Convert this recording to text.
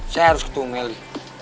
saya harus ketemu meli